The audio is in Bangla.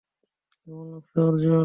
কেমন লাগছে, অর্জুন?